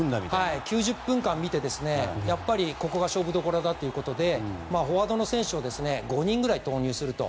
９０分間を見てやっぱりここが勝負どころだということでフォワードの選手を５人ぐらい投入すると。